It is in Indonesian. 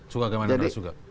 suka agama dan ras juga